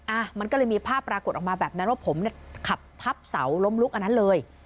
อ่ะมันก็เลยมีภาพปรากฏออกมาแบบนั้นว่าผมเนี่ยขับทับเสาล้มลุกอันนั้นเลย